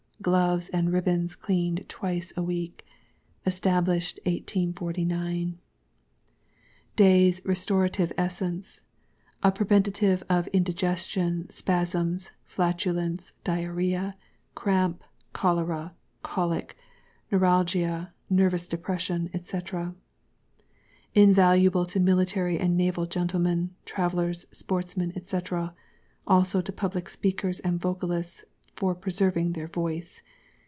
Gloves and Ribbons Cleaned Twice a Week. ESTABLISHED 1849. DAYŌĆÖS RESTORATIVE ESSENCE, A preventive of Indigestion, Spasms, Flatulence, Diarrh┼ōa, Cramp, Cholera, Cholic, Neuralgia, Nervous Depression, &c. Invaluable to Military and Naval Gentlemen, Travellers, Sportsmen, &c., also to Public Speakers and Vocalists for preserving the Voice.